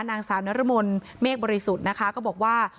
นางสาวนรมนเมฆบริสุทธิ์นะคะก็บอกว่า